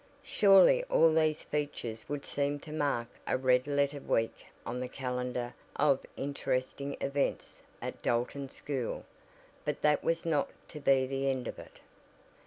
Surely all these features would seem to mark a red letter week on the calendar of "interesting events" at Dalton School. But that was not to be the end of it.